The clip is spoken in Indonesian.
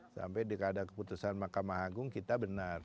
sampai dengan keputusan mahkamah agung kita benar